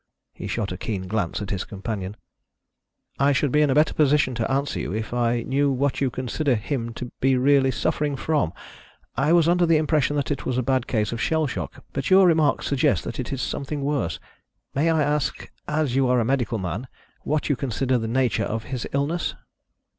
He shot a keen glance at his companion. "I should be in a better position to answer you if I knew what you consider him to be really suffering from. I was under the impression it was a bad case of shell shock, but your remarks suggest that it is something worse. May I ask, as you are a medical man, what you consider the nature of his illness?"